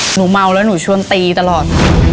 หนูเมาเลยหนูช่วงตีตลอด